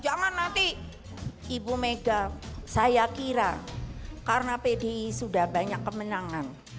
jangan nanti ibu mega saya kira karena pdi sudah banyak kemenangan